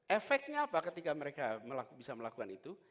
efeknya apa ketika mereka bisa melakukan itu